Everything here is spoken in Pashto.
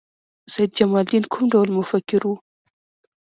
سید جمال الدین کوم ډول مفکر و؟